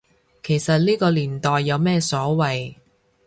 其實呢個年代有咩所謂